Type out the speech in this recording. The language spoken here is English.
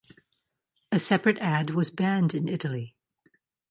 A separate ad was banned in Italy.